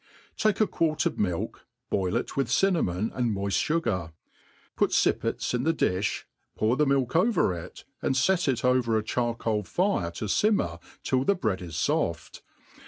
iTAKE a quart of milk, boil it with cinnamon and ifioift fugar ; put fippets in the di(h^ pour the milk over it, and fet it over a charcoal fire Co fimmer, till the bread is foft.